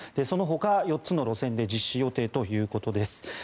そのほか４つの路線で実施予定ということです。